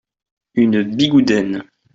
Une Bigoudenn.